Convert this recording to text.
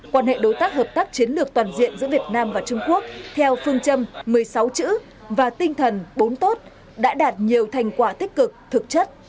quan hệ đối tác hợp tác chiến lược toàn diện giữa việt nam và trung quốc theo phương châm một mươi sáu chữ và tinh thần bốn tốt đã đạt nhiều thành quả tích cực thực chất